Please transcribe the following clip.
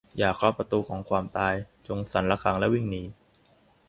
อย่าเคาะประตูของความตาย จงสั่นระฆังและวิ่งหนี